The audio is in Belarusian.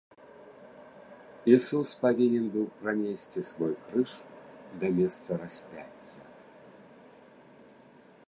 Ісус павінен быў пранесці свой крыж да месца распяцця.